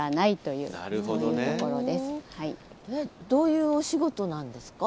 どういうお仕事なんですか？